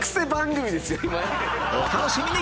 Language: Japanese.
お楽しみに！